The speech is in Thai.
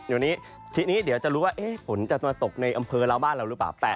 เดี๋ยวนี้ทีนี้เดี๋ยวจะรู้ว่าฝนจะมาตกในอำเภอเราบ้านเราหรือเปล่า